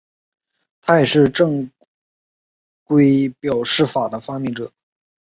他也是正规表示法的发明者。